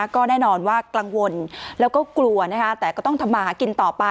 ก็แน่นอนว่ากังวลแล้วก็กลัวนะคะแต่ก็ต้องทำมาหากินต่อไป